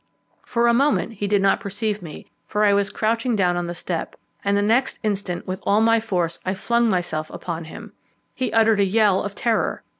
For a moment he did not perceive me, for I was crouching down on the step, and the next instant with all my force I flung myself upon him. He uttered a yell of terror.